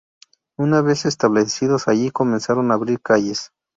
Una vez establecidos allí, comenzaron a abrir calles.